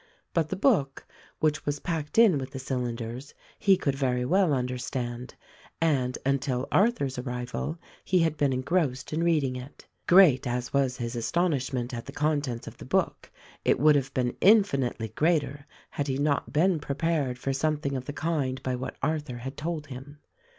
But the book, which was packed in with the cylinders, he could very well understand, and until Arthur's arrival he had been engrossed in reading it. Great as was his astonishment at the con tents of the book it would have been infinitely greater had he not been prepared for something of the kind by what Arthur had told him.